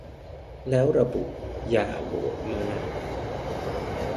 แล้วระบุ 'อย่าโหวตมาก